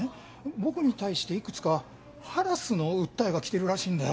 僕に対していくつかハラスの訴えが来てるらしいんだよ。